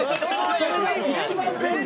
それが一番便利？